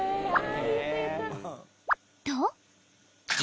［と］